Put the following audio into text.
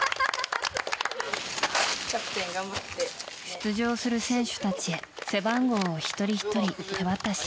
出場する選手たちへ背番号を一人ひとり手渡し。